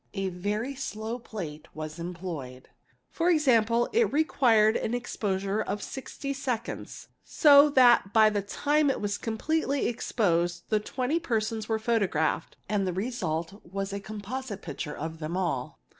A very slow plate was employed, 2.e., it required an exposure of 60 seconds, so that by the time it was completely | exposed the twenty persons were photographed, and the result was a composite picture of them all.